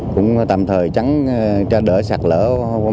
cũng tạm thời trắng cho đỡ sạt lửa